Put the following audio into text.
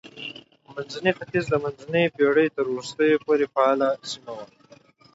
منځنی ختیځ د منځنۍ پېړۍ تر وروستیو پورې فعاله سیمه وه.